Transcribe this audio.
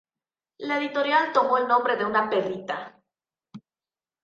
La editorial tomó el nombre de una perrita.